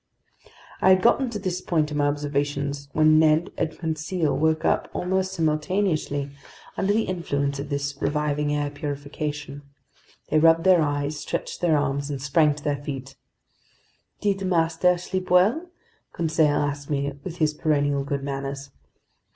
I had gotten to this point in my observations when Ned and Conseil woke up almost simultaneously, under the influence of this reviving air purification. They rubbed their eyes, stretched their arms, and sprang to their feet. "Did master sleep well?" Conseil asked me with his perennial good manners.